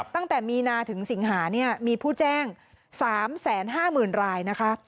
ตั้งแต่มีนาถึงสิงหามีผู้แจ้ง๓๕๐๐๐รายนะคะ